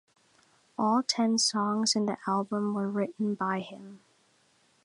All ten songs in the album were written by him.